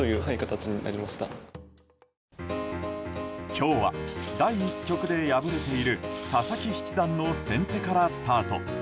今日は第１局で敗れている佐々木七段の先手からスタート。